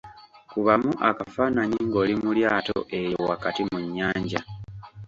Kubamu akafaanayi ng’oli mu lyato eyo wakati mu nnyanja.